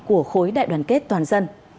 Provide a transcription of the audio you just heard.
của khối đại đoàn kết toàn dân